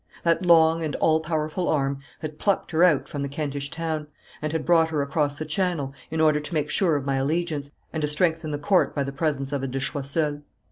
That long and all powerful arm had plucked her out from the Kentish town, and had brought her across the Channel, in order to make sure of my allegiance, and to strengthen the Court by the presence of a de Choiseul.